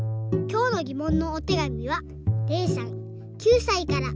きょうのぎもんのおてがみはれいさん９さいから。